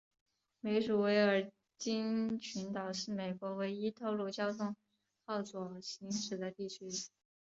美属维尔京群岛是美国唯一道路交通靠左行驶的地区。